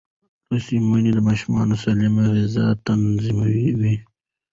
لوستې میندې د ماشوم سالمه غذا تضمینوي.